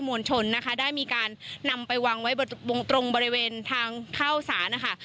มวลชนได้มีการนำไปวางไว้ตรงบริเวณทางข้าวศาสตร์